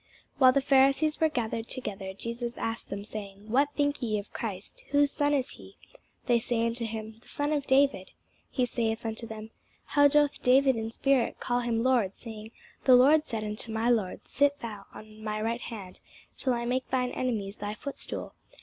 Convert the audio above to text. While the Pharisees were gathered together, Jesus asked them, saying, What think ye of Christ? whose son is he? They say unto him, The son of David. He saith unto them, How then doth David in spirit call him Lord, saying, The LORD said unto my Lord, Sit thou on my right hand, till I make thine enemies thy footstool?